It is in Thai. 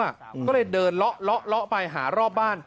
ก็เลยเดินเลาะไปหารอบบ้าน